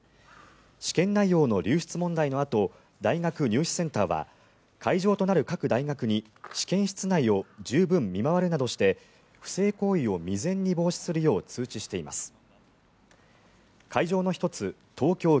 試験内容の流出問題のあと大学入試センターは会場となる各大学に試験室内を十分見回るなどして不正行為を未然に防止するよう通知しています。